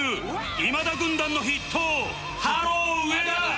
今田軍団の筆頭ハロー植田